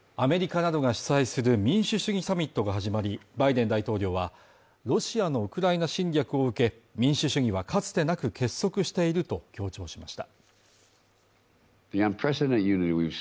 アメリカなどが主催する民主主義サミットが始まり、バイデン大統領は、ロシアのウクライナ侵略を受け、民主主義はかつてなく結束していると強調しました。